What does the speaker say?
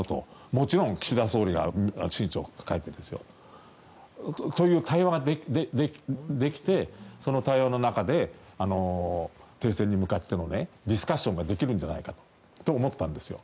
もちろん岸田総理が親書を書いてですよ。という対話ができてその対話の中で停戦に向かってのディスカッションができるんじゃないかと思ったんですよ。